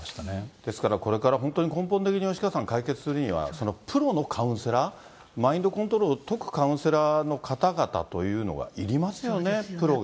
ですからこれから本当に根本的に吉川さん、解決するには、プロのカウンセラー、マインドコントロールを解くカウンセラーの方々というのがいりますよね、プロが。